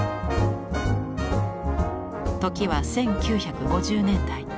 時は１９５０年代。